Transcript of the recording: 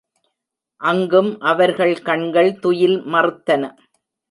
அங்கும் அவர்கள் கண்கள் துயில் மறுத்தன.